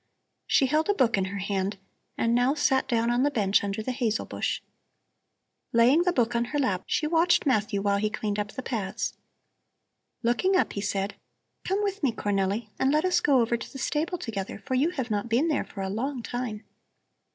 She held a book in her hand and now sat down on the bench under the hazel bush. Laying the book on her lap, she watched Matthew while he cleaned up the paths. Looking up he said: "Come with me, Cornelli, and let us go over to the stable together, for you have not been there for a long time.